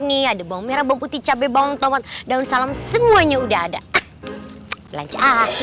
ini ada bawang merah putih cabe bawang tomat daun salam semuanya udah ada belanja